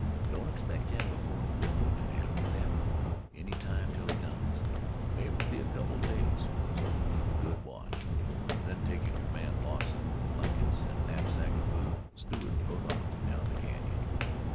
Don't expect him before noon, an' after thet, any time till he comes. Mebbe it'll be a couple of days, so keep a good watch." Then taking our man Lawson, with blankets and a knapsack of food, Stewart rode off down the canyon.